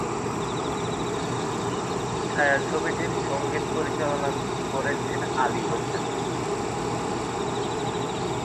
ছায়াছবিটির সঙ্গীত পরিচালনা করেছেন আলী হোসেন।